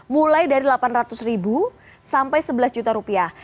mulai dari delapan ratus ribu sampai sebelas juta rupiah